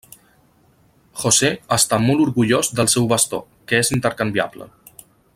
José està molt orgullós del seu bastó, que és intercanviable.